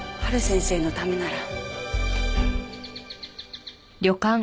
陽先生のためなら。